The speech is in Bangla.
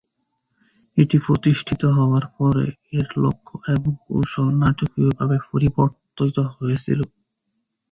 এটি প্রতিষ্ঠিত হওয়ার পরে এর লক্ষ্য এবং কৌশল নাটকীয়ভাবে পরিবর্তিত হয়েছিল।